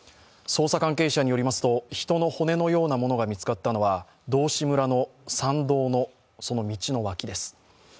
捜査関係者によりますと人の骨のようなものが見つかったのは道志村の山道の道の脇です。